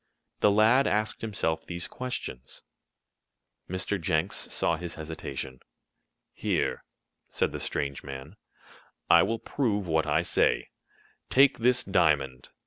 The lad asked himself these questions. Mr. Jenks saw his hesitation. "Here," said the strange man, "I will prove what I say. Take this diamond.